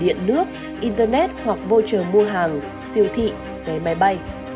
điện nước internet hoặc vô chờ mua hàng siêu thị vé máy bay